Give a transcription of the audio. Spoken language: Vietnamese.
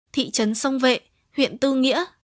thị trấn sông vệ huyện tư nghĩa